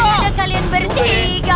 kita ada kalian bertiga